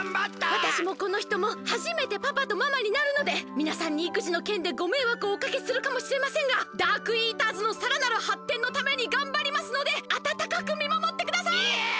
わたしもこのひともはじめてパパとママになるのでみなさんにいくじのけんでごめいわくをおかけするかもしれませんがダークイーターズのさらなるはってんのためにがんばりますのであたたかくみまもってください！